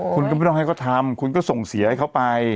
คุณก็ไม่ต้องให้เขาทำคุณก็ส่งเสียให้เขาไป